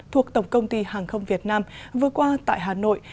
thuộc tổng công ty hàng không việt nam vừa qua tại hà nội